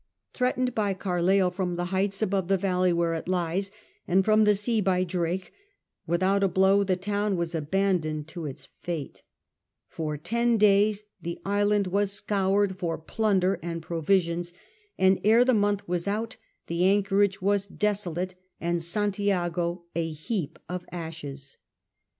Threatened by Carleill from the heights above the valley where it lies, and from the sea by Drake, without a blow the town was abandoned to its fate. For ten days the island was scoured for plunder and provisions, and ere the month was out the anchorage was desolate and Santiago a heap of ashes.